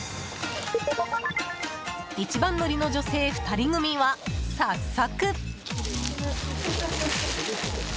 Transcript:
一番乗りの女性２人組は、早速。